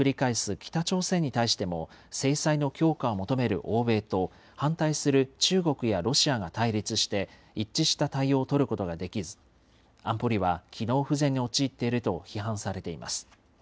北朝鮮に対しても、制裁の強化を求める欧米と、反対する中国やロシアが対立して一致した対応を取ることができず、安保理は機能不全に陥っていると批判されています。